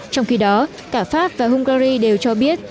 trong khi đó cả pháp và hungary đều cho biết